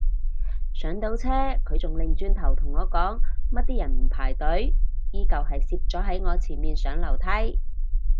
上到車佢仲擰轉頭同我講乜啲人唔排隊，依舊係攝咗喺我前面上樓梯